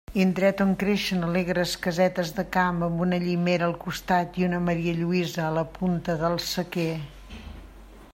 Indret on creixen alegres casetes de camp, amb una llimera al costat i una marialluïsa a la punta del sequer.